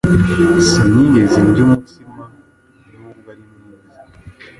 Sinigeze ndya umutsima nubwo ari mwiza,